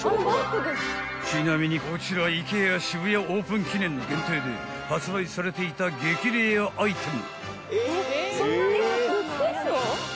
［ちなみにこちらＩＫＥＡ渋谷オープン記念の限定で発売されていた激レアアイテム］